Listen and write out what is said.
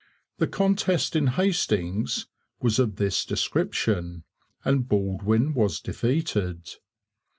The contest in Hastings was of this description, and Baldwin was defeated.